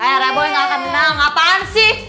eh reboy ga kenang apaan sih